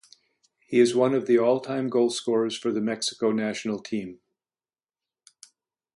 He is one of the top all-time goalscorers for the Mexico national team.